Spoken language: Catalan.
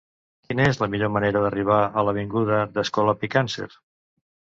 Quina és la millor manera d'arribar a l'avinguda d'Escolapi Càncer?